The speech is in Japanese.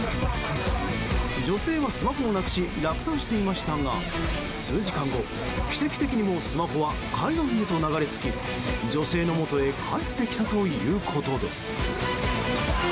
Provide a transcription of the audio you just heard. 女性はスマホをなくし落胆していましたが数時間後、奇跡的にもスマホは海岸へと流れつき女性のもとへと帰ってきたということです。